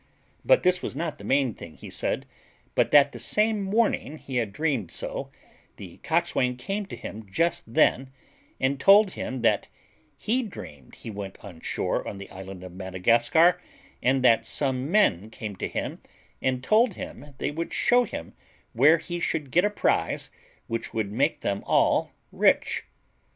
But this was not the main thing, he said, but that the same morning he had dreamed so, the cockswain came to him just then, and told him that he dreamed he went on shore on the island of Madagascar, and that some men came to him and told him they would show him where he should get a prize which would make them all rich.